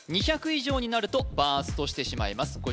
２００以上になるとバーストしてしまいます